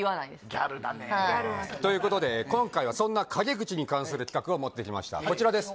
ギャルだねということで今回はそんな陰口に関する企画を持ってきましたこちらです